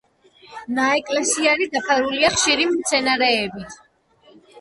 ნაეკლესიარი დაფარულია ხშირი მცენარეებით.